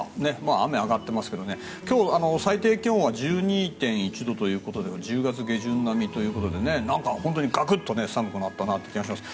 雨、あがってますが最低気温は１２．１度ということで１０月下旬並みということで本当にガクッと寒くなったなという気がします。